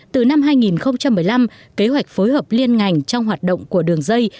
từ năm hai nghìn một mươi năm kế hoạch phối hợp liên ngành trong hoạt động của đường dây